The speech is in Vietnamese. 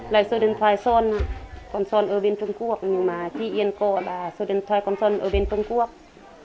lấy số điện thoại xôn còn xôn ở bên trung quốc nhưng mà chị yên có là số điện thoại còn xôn ở bên trung quốc